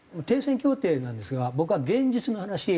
停戦協定なんですが僕は現実の話